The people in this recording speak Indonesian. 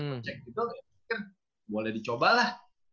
ngecek gitu boleh dicoba lah